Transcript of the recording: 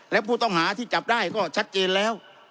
และผู้ต้องหาที่จับได้ก็ชัดเจนแล้ว